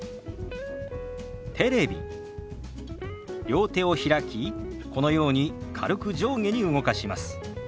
両手を開きこのように軽く上下に動かします。